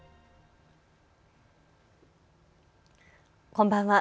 こんばんは。